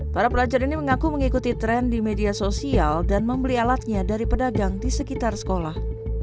para pelajar ini mengaku mengikuti tren di media sosial dan membeli alatnya dari pedagang di sekitar sekolah